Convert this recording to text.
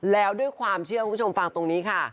แล้วด้วยความเชื่อคุณผู้ชมฟังตรงนี้ค่ะ